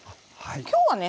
今日はね